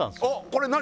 これ何？